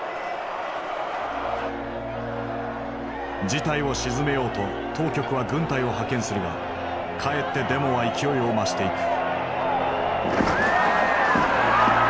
事態を鎮めようと当局は軍隊を派遣するがかえってデモは勢いを増していく。